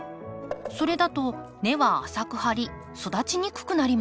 それだと根は浅く張り育ちにくくなります。